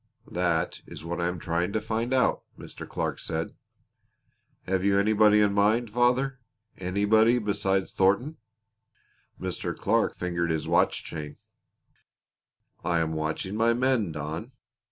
"That is what I am trying to find out," Mr. Clark said. "Have you anybody in mind, father anybody beside Thornton?" Mr. Clark fingered his watch chain. "I am watching my men, Don.